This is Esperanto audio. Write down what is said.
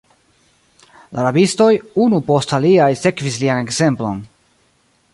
La rabistoj, unu post alia, sekvis lian ekzemplon.